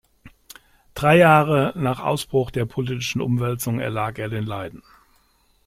Drei Jahre nach Ausbruch der politischen Umwälzung erlag er den Leiden.